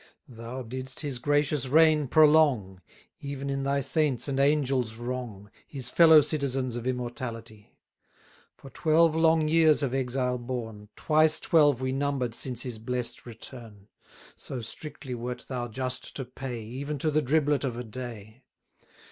Thou didst his gracious reign prolong, Even in thy saints' and angels' wrong, His fellow citizens of immortality: For twelve long years of exile borne, Twice twelve we number'd since his blest return: So strictly wert thou just to pay, Even to the driblet of a day.